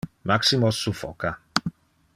Maximo suffoca.